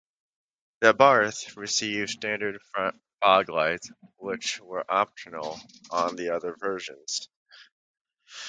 The Abarth received standard front foglights, which were optional on the other versions.